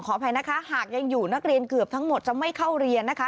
อภัยนะคะหากยังอยู่นักเรียนเกือบทั้งหมดจะไม่เข้าเรียนนะคะ